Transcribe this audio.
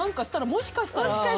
もしかしたらね。